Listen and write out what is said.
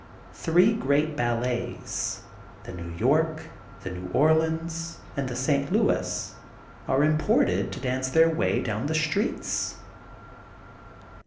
Three great ballets, the New York, the New Orleans and the St. Louis, ar6 imported to dance their way down the streets.